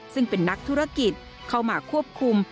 ซึ่งเป็นนักธุรกิจเข้ามาควบคุม